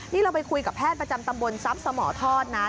นี่เราไปคุยกับแพทย์ประจำตำบลทรัพย์สมทอดนะ